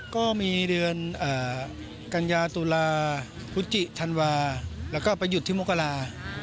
ก็มีเดือนกัญญาตุลาพุจิธันวาแล้วก็ไปหยุดที่มกรา